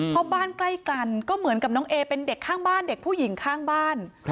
เพราะบ้านใกล้กันก็เหมือนกับน้องเอเป็นเด็กข้างบ้านเด็กผู้หญิงข้างบ้าน